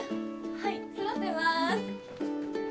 はいそろってます